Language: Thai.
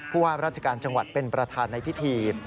ว่าราชการจังหวัดเป็นประธานในพิธี